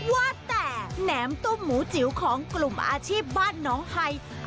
ว่าแต่แหนมตุ้มหมูจิ๋วของกลุ่มอาชีพบ้านน้องไฮ